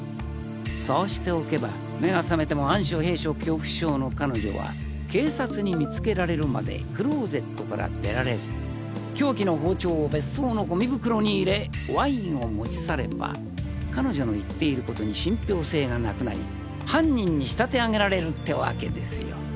そうしておけば目が覚めても暗所閉所恐怖症の彼女は警察に見つけられるまでクローゼットから出られず凶器の包丁を別荘のゴミ袋に入れワインを持ち去れば彼女の言っている事に信憑性が無くなり犯人に仕立てあげられるってワケですよ。